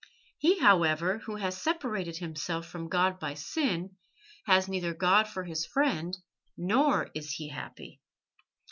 He, however, who has separated himself from God by sin has neither God for his friend nor is he happy."